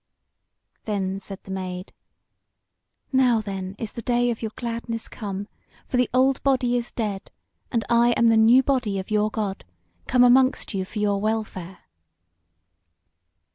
Then said the Maid: "Now, then, is the day of your gladness come; for the old body is dead, and I am the new body of your God, come amongst you for your welfare."